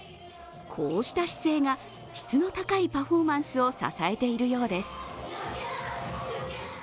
こうした姿勢が質の高いパフォーマンスを支えているようです。